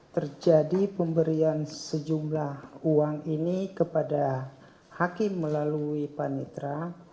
terjadi pemberian sejumlah uang ini kepada hakim melalui panitra